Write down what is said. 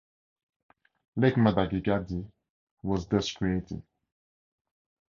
Lake Makgadikgadi was thus created.